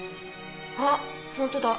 あっ本当だ。